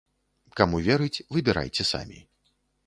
Каму верыць, выбірайце самі.